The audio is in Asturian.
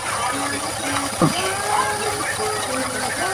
Falái más despacio, vais espertar al neñu.